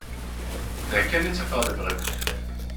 Da kan i ttafeɣ lebɣi-w.